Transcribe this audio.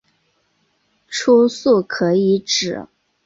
初速可以指